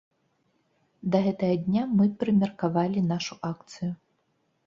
Да гэтага дня мы прымеркавалі нашу акцыю.